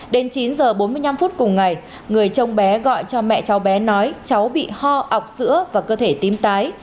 đến chín h bốn mươi năm phút cùng ngày người chồng bé gọi cho mẹ cháu bé nói cháu bị ho ọc sữa và cơ thể tím tái